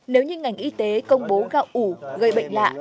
nếu như ngành y tế công bố gạo ủ gây bệnh lạ